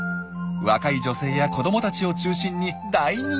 若い女性や子どもたちを中心に大人気なんです！